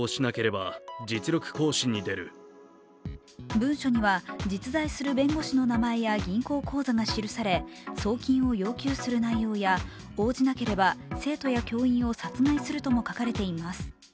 文書には実在する弁護士の名前や銀行口座が記され送金を要求する内容や応じなければ生徒や教員を殺害するとも書かれています。